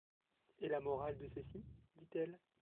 Et la morale de ceci ?… dit-elle.